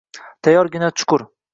Tayyorgina chuqur!